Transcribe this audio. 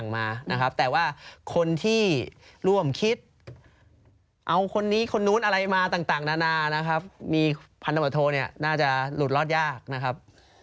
มาต่างนานานะครับมีพันธมโธเนี่ยน่าจะหลุดลอดยากนะครับ